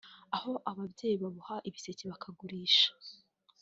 aho ababyeyi baboha ibiseke bakagurisha